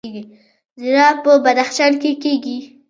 زیره په بدخشان کې کیږي